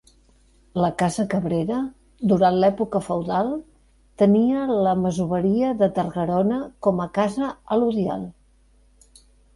La casa Cabrera, durant l'època feudal tenia la masoveria de Targarona com a casa alodial.